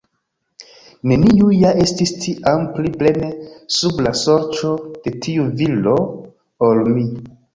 Neniu ja estis tiam pli plene sub la sorĉo de tiu viro, ol mi.